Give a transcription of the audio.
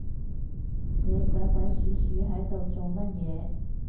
你鬼鬼鼠鼠係度做乜嘢